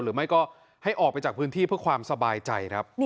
หรือไม่ก็ให้ออกไปจากพื้นที่เพื่อความสบายใจครับ